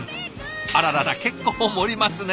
あららら結構盛りますね。